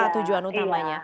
apa tujuan utamanya